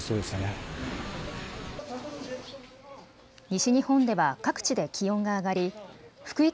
西日本では各地で気温が上がり福井